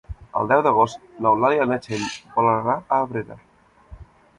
El deu d'agost n'Eulàlia i na Txell volen anar a Abrera.